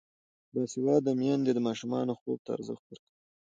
باسواده میندې د ماشومانو خوب ته ارزښت ورکوي.